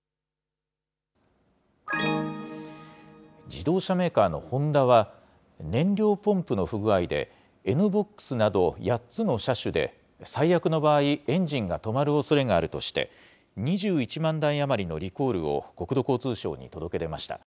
自動車メーカーのホンダは、燃料ポンプの不具合で、ＮーＢＯＸなど８つの車種で、最悪の場合、エンジンが止まるおそれがあるとして、２１万台余りのリコールを国土交通省に届け出ました。